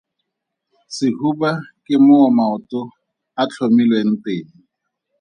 Sehuba ke moo maoto a tlhomilweng teng.